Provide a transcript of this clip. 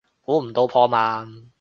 估唔到破万